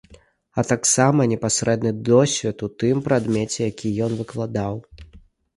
А таксама непасрэдны досвед у тым прадмеце, які ён выкладаў.